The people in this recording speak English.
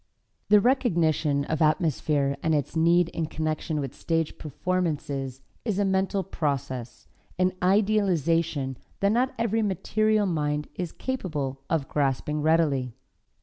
The recognition of atmosphere and its need in connection with stage performances is a mental process, an idealization that not every material mind is capable of grasping readily.